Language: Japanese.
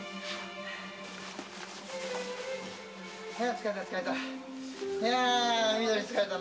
疲れた、疲れた。